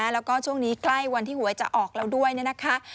แล้วก็ช่วงนี้ใกล้วันที่หวยจะออกแล้วด้วยนะคะ